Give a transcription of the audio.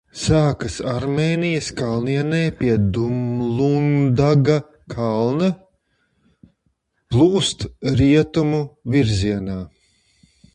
Sākas Armēnijas kalnienē pie Dumludaga kalna, plūst rietumu virzienā.